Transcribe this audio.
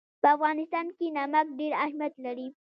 په افغانستان کې نمک ډېر اهمیت لري.